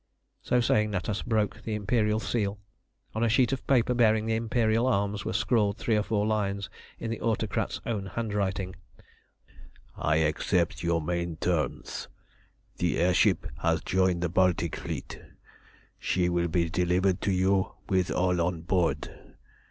So saying, Natas broke the imperial seal. On a sheet of paper bearing the imperial arms were scrawled three or four lines in the Autocrat's own handwriting I accept your main terms. The air ship has joined the Baltic fleet. She will be delivered to you with all on board.